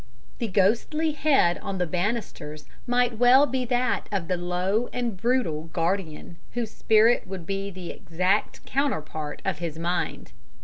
The ghostly head on the banisters might well be that of the low and brutal guardian, whose spirit would be the exact counterpart of his mind.